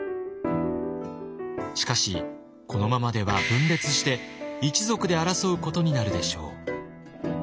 しかしこのままでは分裂して一族で争うことになるでしょう。